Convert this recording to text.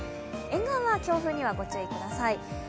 沿岸は強風に御注意ください。